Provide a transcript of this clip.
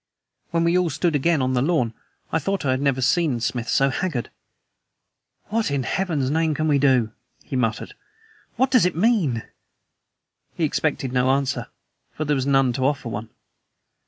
When we all stood again on the lawn, I thought that I had never seen Smith so haggard. "What in Heaven's name can we do?" he muttered. "What does it mean?" He expected no answer; for there was none to offer one.